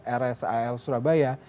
kepala rumah sakit angkatan laut surabaya